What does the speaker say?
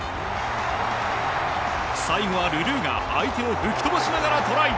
最後はルルーが相手を吹き飛ばしながらトライ！